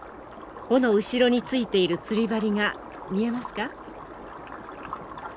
尾の後ろについている釣り針が見えますか？